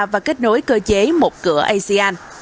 và kết nối cơ chế một cửa asean